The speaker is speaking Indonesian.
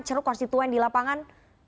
ceruk konstituen di lapangan